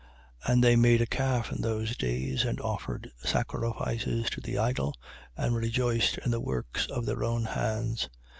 7:41. And they made a calf in those days and offered sacrifices to the idol and rejoiced in the works of their own hands.